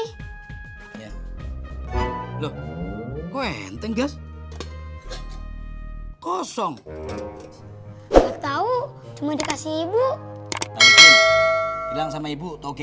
pak ya ini loh kenteng gas kosong tahu cuma dikasih ibu bilang sama ibu toge